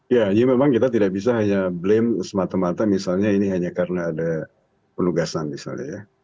ya jadi memang kita tidak bisa hanya blame semata mata misalnya ini hanya karena ada penugasan misalnya ya